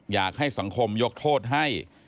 อยากให้สังคมยกโทษให้